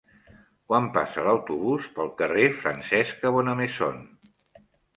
Quan passa l'autobús pel carrer Francesca Bonnemaison?